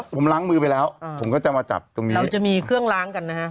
ผมล้างมือไปแล้วผมก็จะมาจับตรงนี้เราจะมีเครื่องล้างกันนะฮะ